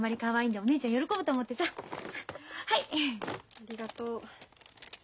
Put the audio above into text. ありがとう。